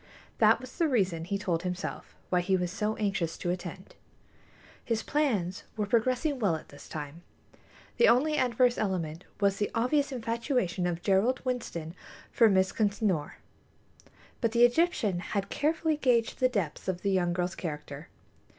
That was the reason, he told himself, why he was so anxious to attend. His plans were progressing well at this time. The only adverse element was the obvious infatuation of Gerald Winston for Miss Consinor; but the Egyptian had carefully gauged the depths of the young girl's character.